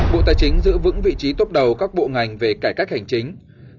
bộ tài chính giữ vững vị trí tốt đầu các bộ ngành về cải cách hành chính